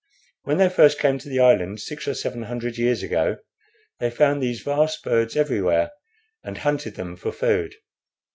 When they first came to the island, six or seven hundred years ago, they found these vast birds everywhere, and hunted them for food.